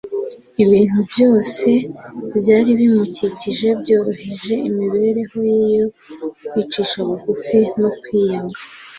Ibintu byose byari bimukikije byoroheje imibereho ye yo kwicisha bugufi no kwiyanga.